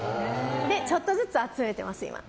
ちょっとずつ集めてます、今。